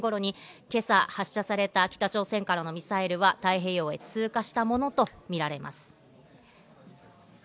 先ほど７時４８分頃に今朝発射された北朝鮮からのミサイルは太平洋を通過したものとみられます。